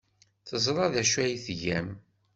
Teẓra d acu ay tgam.